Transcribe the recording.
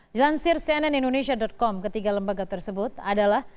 dilansir cnn indonesia com ketiga lembaga tersebut adalah